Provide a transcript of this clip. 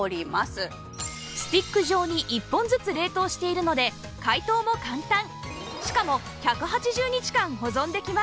スティック状に１本ずつ冷凍しているので解凍も簡単